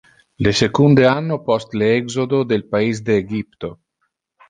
Le secunde anno post le exodo del pais de Egypto.